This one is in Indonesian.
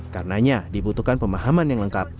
karenanya dibutuhkan pemahaman yang lengkap